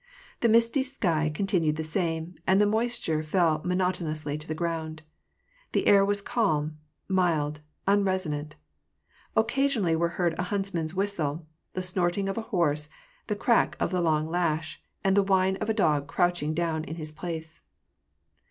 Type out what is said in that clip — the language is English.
The misty sky continued the same, and the moisture fell monot onously to the ground. The air was calm, mild, unresonant. Occasionally were heard a huntsman's whistle, the snorting of a horse, the crack of the long lash, and the whine of a dog crouching down in his place.